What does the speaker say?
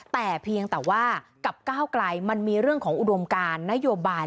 แต่เพียงแต่ว่ากับก้าวไกลมันมีเรื่องของอุดมการนโยบาย